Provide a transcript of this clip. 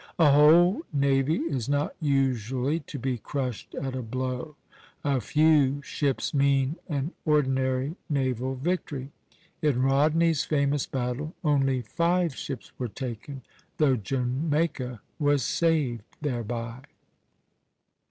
A whole navy is not usually to be crushed at a blow; a few ships mean an ordinary naval victory. In Rodney's famous battle only five ships were taken, though Jamaica was saved thereby.